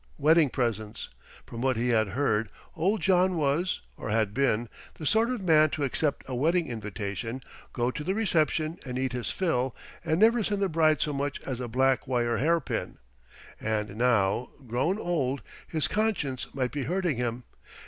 Wedding presents! From what he had heard, old John was or had been the sort of man to accept a wedding invitation, go to the reception and eat his fill, and never send the bride so much as a black wire hairpin. And now, grown old, his conscience might be hurting him.